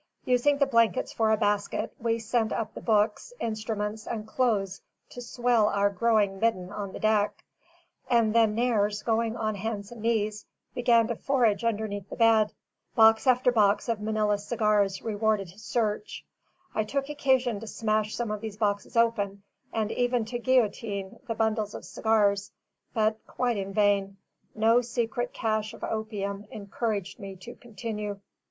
Using the blankets for a basket, we sent up the books, instruments, and clothes to swell our growing midden on the deck; and then Nares, going on hands and knees, began to forage underneath the bed. Box after box of Manilla cigars rewarded his search. I took occasion to smash some of these boxes open, and even to guillotine the bundles of cigars; but quite in vain no secret cache of opium encouraged me to continue.